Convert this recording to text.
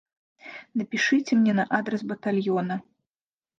Напішыце мне на адрас батальёна.